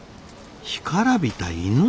「干からびた犬」？